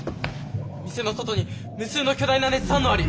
店の外に無数の巨大な熱反応あり！